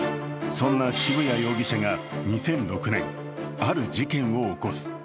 そんな渋谷容疑者が２００６年、ある事件を起こす。